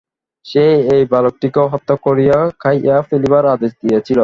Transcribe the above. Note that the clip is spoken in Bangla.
সে এই বালকটিকেও হত্যা করিয়া খাইয়া ফেলিবার আদেশ দিয়াছিল।